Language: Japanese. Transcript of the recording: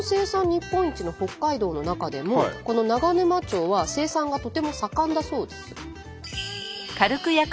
日本一の北海道の中でもこの長沼町は生産がとても盛んだそうです。